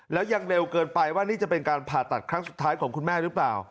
แล้วยังเร็วเกินไปว่านี่จะเป็นการผ่าตัดครั้งสุดท้ายของคุณแม่หรือเปล่า